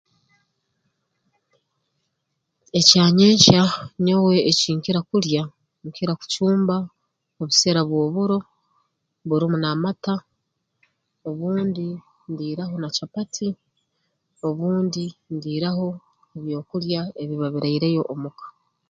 Ekyanyenkya nyowe eki nkira kulya nkira kucumba obusera bw'oburo burumu n'amata obundi ndiiraho na capati obundi ndiiraho ebyokulya ebiba biraireyo omu ka